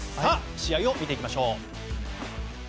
試合を見ていきましょう。